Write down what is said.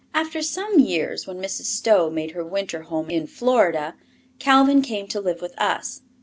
After some years, when Mrs. Stowe made her winter home in Florida, Calvin came to live with us.